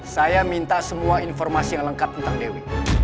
saya minta semua informasi yang lengkap tentang dewi